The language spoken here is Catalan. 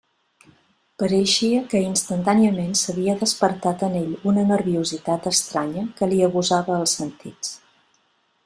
Pareixia que instantàniament s'havia despertat en ell una nerviositat estranya que li agusava els sentits.